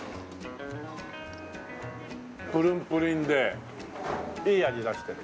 プルンプリンでいい味出してる。